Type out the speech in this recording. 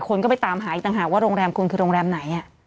คนก็ไปตามหาอีกต่างหากว่าโรงแรมคุณคือโรงแรมไหน